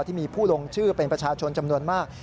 ที่มีผู้ลงชื่อเป็นประชาชนจำนวนมาก